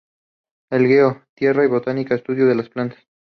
De "geo", tierra y "botánica", estudio de las plantas.